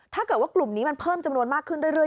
ถ้าเกิดว่ากลุ่มนี้มันเพิ่มจำนวนมากขึ้นเรื่อย